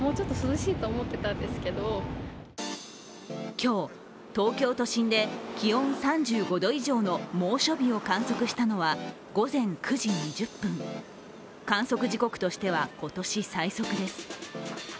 今日、東京都心で気温３５度以上の猛暑日を観測したのは午前９時２０分観測時刻としては今年最速です。